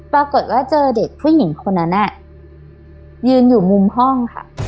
ปรากฏว่าเจอเด็กผู้หญิงคนนั้นยืนอยู่มุมห้องค่ะ